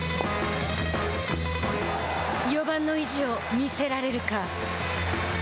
４番の意地を見せられるか。